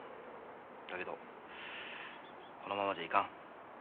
だけどこのままじゃいかん。